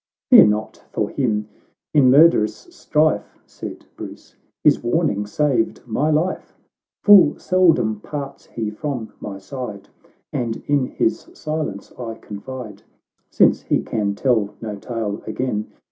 " Fear not for him — in murderous strife," Said Bruce, " his warning saved my life ; Full seldom parts he from my side; And in his silence I confide, Since he can tell no tale again.